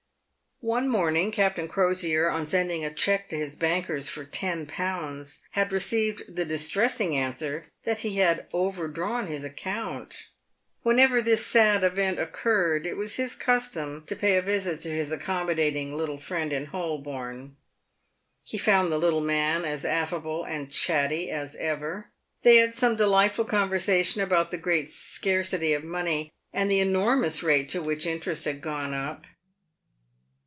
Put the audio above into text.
One morning, Captain Crosier, on sending a cheque to his bankers for ten pounds, had received the distressing answer that he had over drawn his account; whenever this sad event occurred, it was his custom to pay a visit to his accommodating little friend in Holborn. He found the little man as affable and chatty as ever. They had some delightful conversation about the great scarcity of money, and the enormous rate to which interest had gone up.